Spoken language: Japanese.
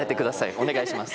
お願いします。